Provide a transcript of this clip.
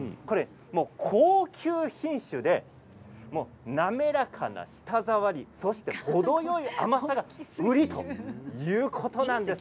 高級品種で滑らかな舌触りそして程よい甘さが売りということです。